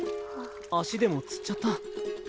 足でもつっちゃった？